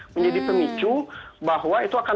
menjadi pemicu bahwa itu akan